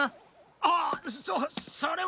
ああっそそれは。